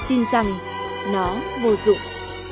tin rằng nó vô dụng